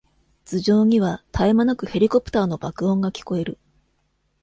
頭上には、たえまなくヘリコプターの爆音が聞こえる。